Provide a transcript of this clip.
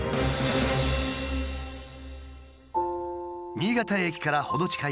新潟駅から程近い